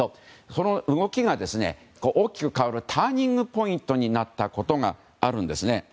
その動きが大きく変わるターニングポイントになったことがあるんです。